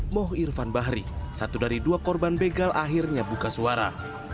moh irfan bahri satu dari dua korban begal akhirnya buka suara